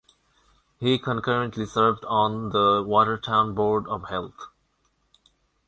He concurrently served on the Watertown board of health.